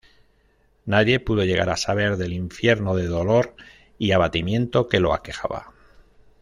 Nadie pudo llegar a saber del infierno de dolor y abatimiento que lo aquejaba.